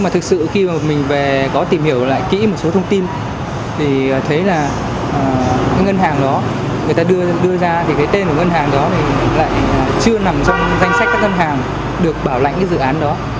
mà thực sự khi mà mình về có tìm hiểu lại kỹ một số thông tin thì thấy là cái ngân hàng đó người ta đưa ra thì cái tên của ngân hàng đó thì lại chưa nằm trong danh sách các ngân hàng được bảo lãnh cái dự án đó